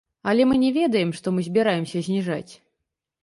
Але мы не ведаем, што мы збіраемся зніжаць.